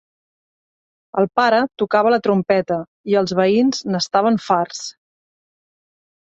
El pare tocava la trompeta i els veïns n'estaven farts.